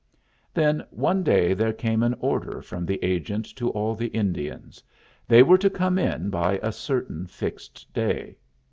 Then one day there came an order from the agent to all the Indians: they were to come in by a certain fixed day.